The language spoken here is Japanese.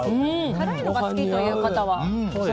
辛いのが好きという方は？